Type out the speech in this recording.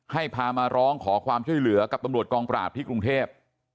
ให้พามาร้องขอความช่วยเหลือกับตำรวจกองปราบที่กรุงเทพ